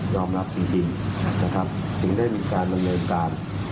รับจริงนะครับถึงได้มีการดำเนินการ